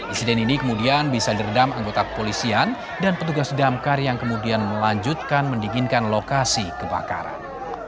insiden ini kemudian bisa diredam anggota kepolisian dan petugas damkar yang kemudian melanjutkan mendinginkan lokasi kebakaran